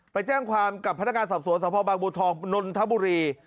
ไปแจ้งความกับพนักงานสอบสวนสภบางบัวทองนนทบุรี